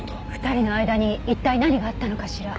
２人の間に一体何があったのかしら？